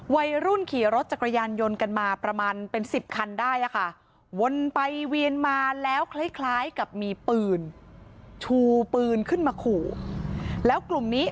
วัยรุ่นขี่รถจักรยานยนต์กันมาประมาณเป็น๑๐คันได้อะค่ะวนไปเวียนมาแล้วคล้ายกับมีปืนชูปืนขึ้นมาขู่แล้วกลุ่มนี้